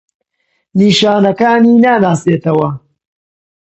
نیشانەکانی ناناسیتەوە؟